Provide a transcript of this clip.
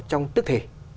trong tức thể